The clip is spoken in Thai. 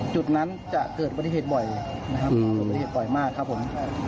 จุดนั้นจะเกิดปฏิเหตุบ่อยนะครับอุบัติเหตุบ่อยมากครับผม